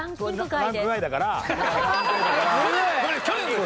ランク外だから。